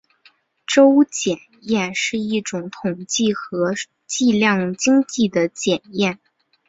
邹检验是一种统计和计量经济的检验。